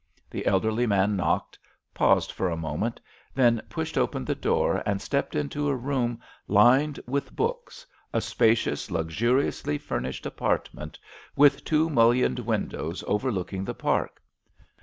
The elderly man knocked, paused for a moment, then pushed open the door, and stepped into a room lined with books, a spacious, luxuriously furnished apartment, with two mullioned windows overlooking the park.